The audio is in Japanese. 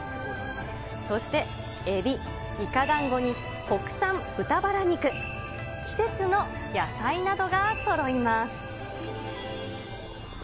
そして、エビ、イカだんごに、国産豚バラ肉、季節の野菜などがそろいます。